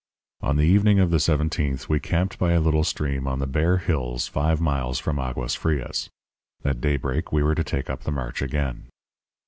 "On the evening of the seventeenth we camped by a little stream on the bare hills five miles from Aguas Frias. At daybreak we were to take up the march again.